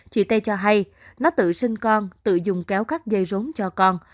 chị tê cho hay nó tự sinh con tự dùng kéo cắt dây rốn cho con